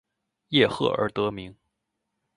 叶赫而得名。